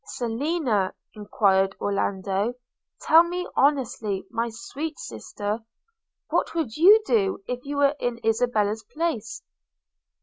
'Selina,' enquired Orlando, 'tell me honestly, my sweet sister, what you would do, were you in Isabella's place.'